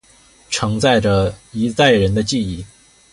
承载着一代人的记忆